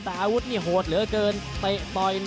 แต่อาวุธนี่โหดเหลือเกิน